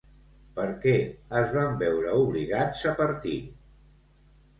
Per què es van veure obligats a partir?